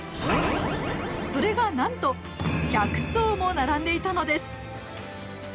それがなんと百層も並んでいたのです！